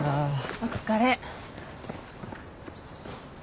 お疲れ。